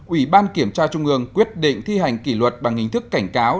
ủy ban kiểm tra trung ương quyết định thi hành kỷ luật bằng hình thức cảnh cáo